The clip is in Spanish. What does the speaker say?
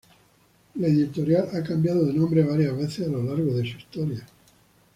La editorial ha cambiado de nombre varias veces a lo largo de su historia.